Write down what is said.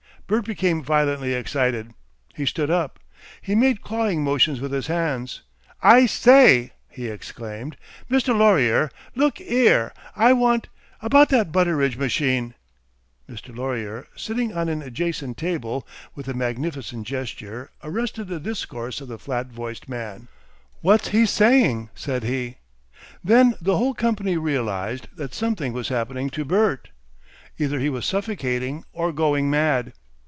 Bert became violently excited. He stood up. He made clawing motions with his hands. "I say!" he exclaimed, "Mr. Laurier. Look 'ere I want about that Butteridge machine ." Mr. Laurier, sitting on an adjacent table, with a magnificent gesture, arrested the discourse of the flat voiced man. "What's HE saying?" said he. Then the whole company realised that something was happening to Bert; either he was suffocating or going mad.